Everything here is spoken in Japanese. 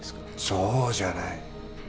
そうじゃない。